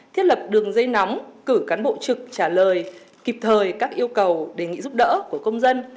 thiết lập đường dây nóng cử cán bộ trực trả lời kịp thời các yêu cầu đề nghị giúp đỡ của công dân